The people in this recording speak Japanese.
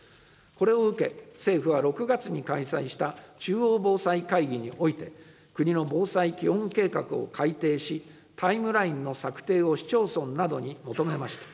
これを受け、政府は６月に開催した中央防災会議において、国の防災基本計画を改定し、タイムラインの策定を市町村などに求めました。